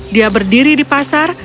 dia berdiri di pasar